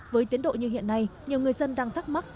với tiến độ như hiện nay